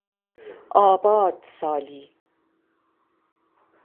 آباد سالی